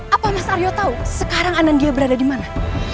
apa mas aryo tahu sekarang anandia berada di mana